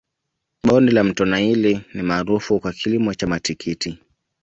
bonde la mto naili ni maarufu kwa kilimo cha matikiti